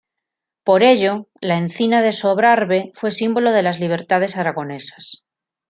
Por ello, la encina de Sobrarbe fue símbolo de las libertades aragonesas.